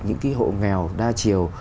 những hộ nghèo đa chiều